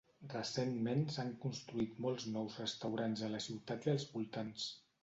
Recentment s'han construït molts nous restaurants a la ciutat i als voltants.